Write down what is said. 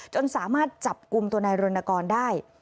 จนสามารถจับกลุ่มตัวนายรณกรได้